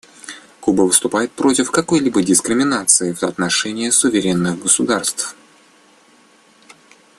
Куба выступает против какой-либо дискриминации в отношении суверенных государств.